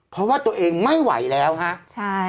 เพราะว่าตัวเองไม่ไหวแล้วฮะใช่